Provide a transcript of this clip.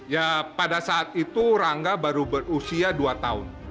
ya pada saat itu rangga baru berusia dua tahun